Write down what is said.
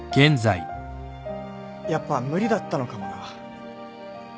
やっぱ無理だったのかもな。